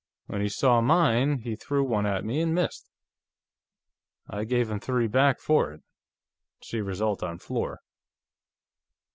When he saw mine, he threw one at me and missed; I gave him three back for it. See result on floor."